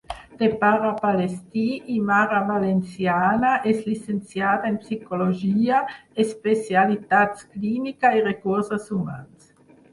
De pare palestí i mare valenciana, és llicenciada en psicologia, especialitats clínica i recursos humans.